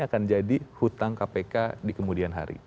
akan jadi hutang kpk di kemudian hari